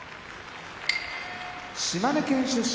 島根県出身